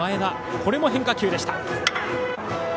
これも変化球でした。